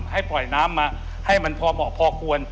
ให้ปล่อยน้ำมาให้มันพอเหมาะพอควร